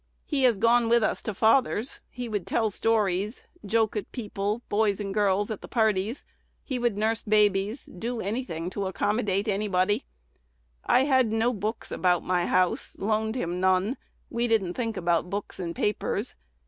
He has gone with us to father's; he would tell stories, joke people, girls and boys, at parties. He would nurse babies, do any thing to accommodate anybody.... I had no books about my house; loaned him none. We didn't think about books and papers.